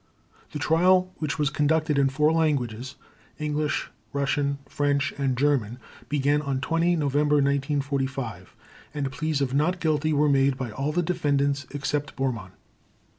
The Trial, which was conducted in four languages—English, Russian, French, and German—began on 20 November 1945, and pleas of "Not Guilty" were made by all the defendants except Bormann.